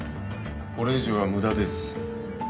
これ以上は無駄です。